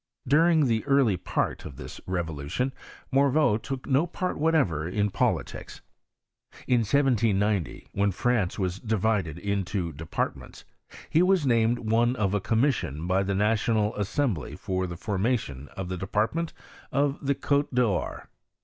Daring the early part of this revolution Morveau took do part whatever in politics. In 1790, when France was divided into departments, he was named one of a commission by the National Assembly for the formation of the de partment of the C6te d'Or.